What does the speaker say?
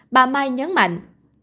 bà mai nhấn mạnh